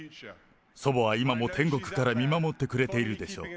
祖母は今も天国から見守ってくれているでしょう。